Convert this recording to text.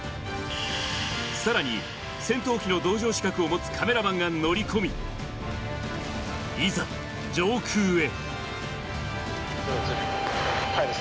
さらに、戦闘機の同乗資格を持つカメラマンが乗り込み、いざ、上空へ。